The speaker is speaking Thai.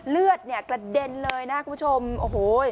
เลือดเนี่ยกระเด็นเลยนะคุณผู้ชมโอ้โห